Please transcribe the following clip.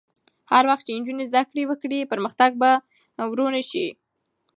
هر وخت چې نجونې زده کړه وکړي، پرمختګ به ورو نه شي.